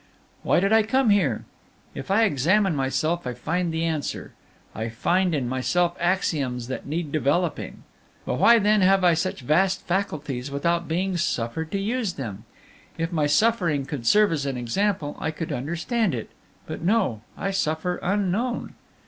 "Why did I come here? If I examine myself, I find the answer: I find in myself axioms that need developing. But why then have I such vast faculties without being suffered to use them? If my suffering could serve as an example, I could understand it; but no, I suffer unknown.